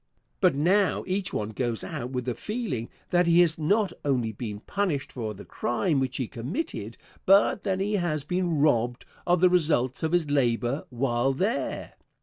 But now each one goes out with the feeling that he has not only been punished for the crime which he committed, but that he has been robbed of the results of his labor while there.